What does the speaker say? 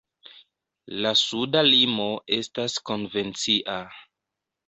La suda limo estas konvencia.